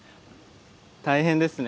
大変ですね。